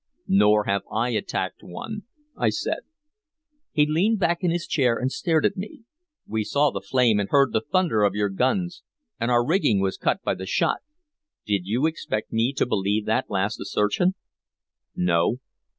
"Nor have I attacked one," I said. He leaned back in his chair and stared at me. "We saw the flame and heard the thunder of your guns, and our rigging was cut by the shot. Did you expect me to believe that last assertion?" "No."